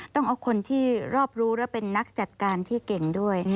ต้องเอาคนที่รอบรู้และเป็นนักจัดการที่เก่งด้วย